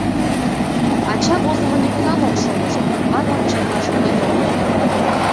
Ача «возымо нигунам ок шойышт» манмым чынлан шотлен огыл.